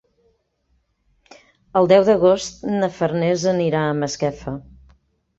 El deu d'agost na Farners anirà a Masquefa.